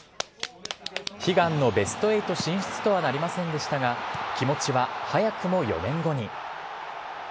悲願のベスト８進出とはなりませんでしたが、気持ちは早くも４年後に。